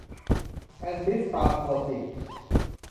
แอนติสปาสโมดิก